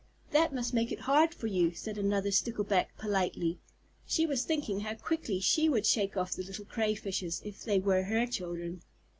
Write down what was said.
"That must make it hard for you," said another Stickleback politely. She was thinking how quickly she would shake off the little Crayfishes if they were her children.